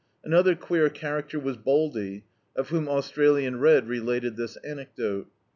Another queer character was Baldy, of whom Australian Red related this anecdote.